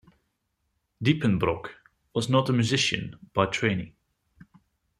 Diepenbrock was not a musician by training.